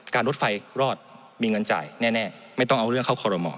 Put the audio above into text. รถไฟรอดมีเงินจ่ายแน่ไม่ต้องเอาเรื่องเข้าคอรมอ